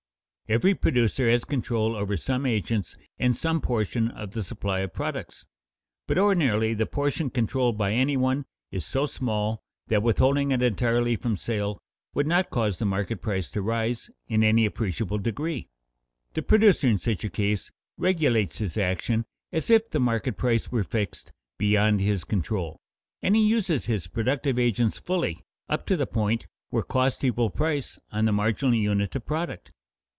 _ Every producer has control over some agents and some portion of the supply of products; but ordinarily the portion controlled by any one is so small that withholding it entirely from sale would not cause the market price to rise in any appreciable degree. The producer in such a case regulates his action as if the market price were fixed beyond his control, and he uses his productive agents fully up to the point where costs equal price on the marginal unit of product.